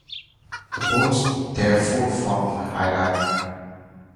The bones therefore form a hierarchy.